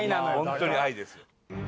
ホントに愛ですよ。